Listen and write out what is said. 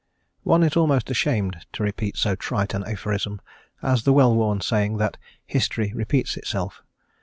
ONE is almost ashamed to repeat so trite an aphorism as the well worn saying that "history repeats itself."